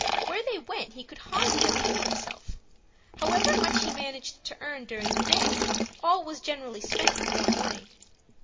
Where they went he could hardly have told himself. However much he managed to earn during the day, all was generally spent before morning.